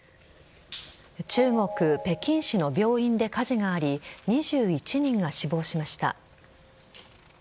中国・北京市の病院で火事があり２１人が死亡しました。